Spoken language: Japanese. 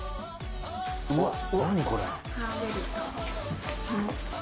うわっ、何これ？